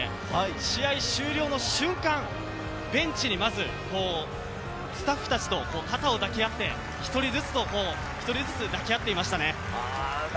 試合終了の瞬間、ベンチにまずスタッフたちと肩を抱き合って、１人ずつと抱き合っていましたね。